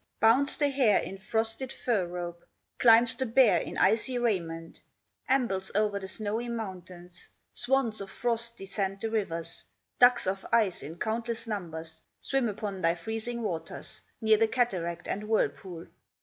Bounds the hare in frosted fur robe, Climbs the bear in icy raiment, Ambles o'er the snowy mountains. Swans of frost descend the rivers, Ducks of ice in countless numbers Swim upon thy freezing waters, Near the cataract and whirlpool.